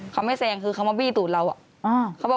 เขาไม่แซงคือเขามาบี้ตูดเรา